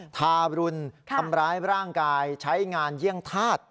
ทารุณทำร้ายร่างกายใช้งานเยี่ยงธาตุ